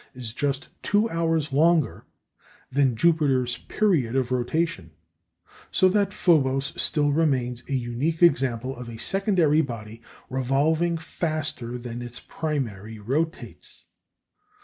is just two hours longer than Jupiter's period of rotation, so that Phobos still remains a unique example of a secondary body revolving faster than its primary rotates.